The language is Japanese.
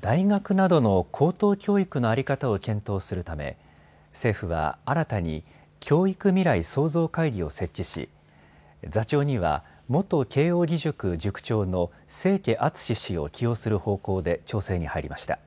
大学などの高等教育の在り方を検討するため政府は新たに教育未来創造会議を設置し座長には元慶應義塾塾長の清家篤氏を起用する方向で調整に入りました。